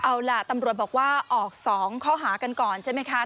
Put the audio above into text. เอาล่ะตำรวจบอกว่าออก๒ข้อหากันก่อนใช่ไหมคะ